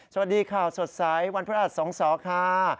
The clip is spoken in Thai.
สวัสดีครัวสดใสวันพระอาทรพ์สองสอกค่ะ